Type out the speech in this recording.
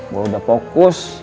gue udah fokus